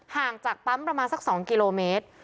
ห่างจากปั๊มประมาณสัก๒กิโลเมตร